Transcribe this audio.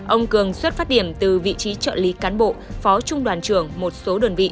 ông cường xuất phát điểm từ vị trí trợ lý cán bộ phó trung đoàn trưởng một số đơn vị